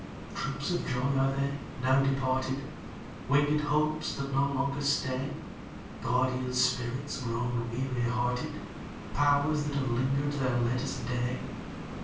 Troops of joys are they, now departed? Winged hopes that no longer stay? Guardian spirits grown weary hearted? Powers that have linger'd their latest day?